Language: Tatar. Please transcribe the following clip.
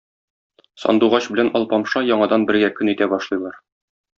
Сандугач белән Алпамша яңадан бергә көн итә башлыйлар.